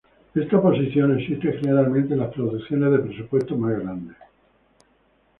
Esta posición existe generalmente en las producciones de presupuesto más grandes.